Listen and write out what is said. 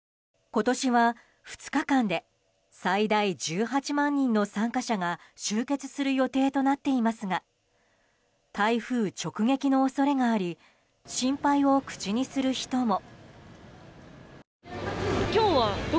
今年は２日間で最大１８万人の参加者が集結する予定となっていますが台風直撃の恐れがあり心配を口にする人も。